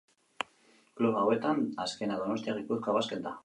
Klub hauetan azkena Donostia Gipuzkoa Basket da.